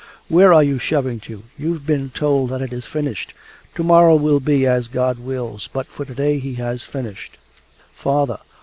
Where are you shoving to? You've been told that it is finished. To morrow will be as God wills, but for to day he has finished!' 'Father!